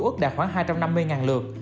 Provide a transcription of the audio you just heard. ước đạt khoảng hai trăm năm mươi lượt